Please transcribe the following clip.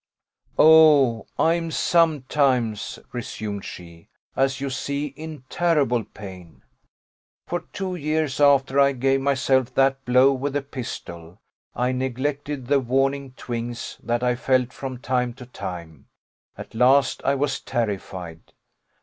"Oh! I am sometimes," resumed she, "as you see, in terrible pain. For two years after I gave myself that blow with the pistol, I neglected the warning twinges that I felt from time to time; at last I was terrified.